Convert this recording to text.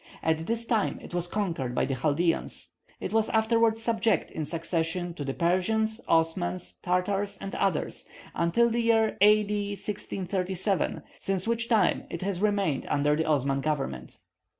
At this time it was conquered by the Chaldeans. It was afterwards subject in succession to the Persians, Osmans, Tartars, and others, until the year A.D. 1637, since which time it has remained under the Osman government.